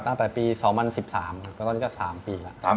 ตั้งแต่ปี๒๐๑๓แล้วก็นี่ก็๓ปีแล้ว